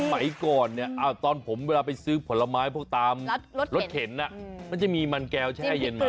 สมัยก่อนเนี่ยตอนผมเวลาไปซื้อผลไม้พวกตามรถเข็นมันจะมีมันแก้วแช่เย็นมา